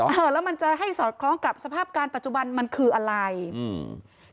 เออแล้วมันจะให้สอดคล้องกับสภาพการณปัจจุบันมันคืออะไรอืม